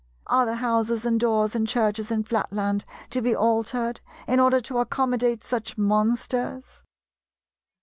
Are the houses and doors and churches in Flatland to be altered in order to accommodate such monsters?